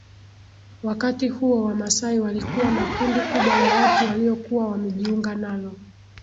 Wakati huo Wamasai walikuwa na kundi kubwa la watu waliokuwa wamejiunga nalo